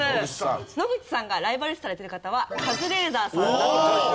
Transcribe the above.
野口さんがライバル視されてる方はカズレーザーさんだという事で。